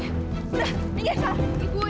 udah tinggal sekarang